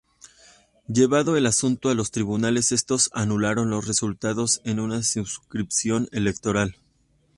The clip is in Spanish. Llevado el asunto a los tribunales, estos anularon los resultados en una circunscripción electoral.